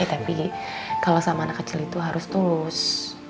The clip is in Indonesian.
ya tapi kalo sama anak kecil itu harus tulus